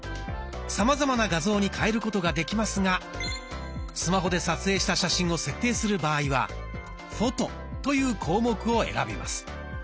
さまざまな画像に変えることができますがスマホで撮影した写真を設定する場合は「フォト」という項目を選びます。